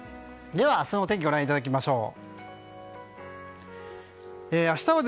明日のお天気ご覧いただきましょう。